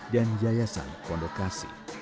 dan yayasan pondok kasih